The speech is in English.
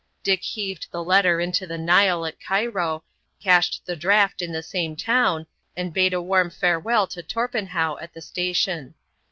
Dick heaved the letter into the Nile at Cairo, cashed the draft in the same town, and bade a warm farewell to Torpenhow at the station.